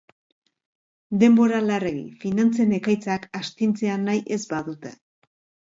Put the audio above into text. Denbora larregi, finantzen ekaitzak astintzea nahi ez badute.